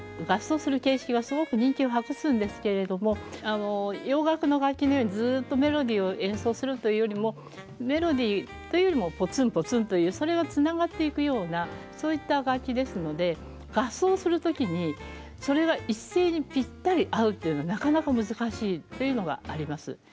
合奏する形式はすごく人気を博すんですけれども洋楽の楽器のようにずっとメロディーを演奏するというよりもメロディーというよりもポツンポツンというそれがつながっていくようなそういった楽器ですので合奏する時にそれが一斉にぴったり合うというのはなかなか難しいっていうのがあります。